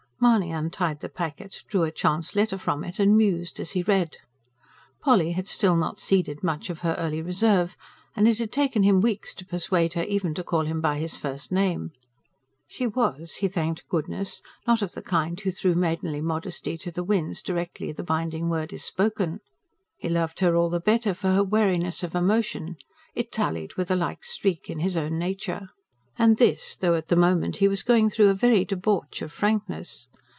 Mahony untied the packet, drew a chance letter from it and mused as he read. Polly had still not ceded much of her early reserve and it had taken him weeks to persuade her even to call him by his first name. She was, he thanked goodness, not of the kind who throw maidenly modesty to the winds, directly the binding word is spoken. He loved her all the better for her wariness of emotion; it tallied with a like streak in his own nature. And this, though at the moment he was going through a very debauch of frankness.